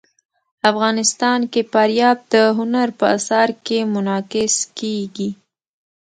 افغانستان کې فاریاب د هنر په اثار کې منعکس کېږي.